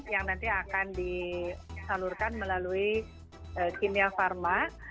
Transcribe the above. yang nanti akan disalurkan melalui kimia pharma